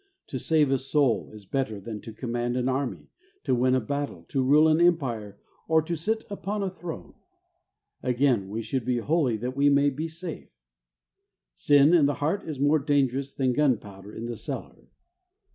To save a soul is better than to command an army, to win a battle, to rule an empire, or to sit upon a throne. Again, we should be holy that we may be safe. Sin in the heart is more dangerous than gunpowder in the cellar.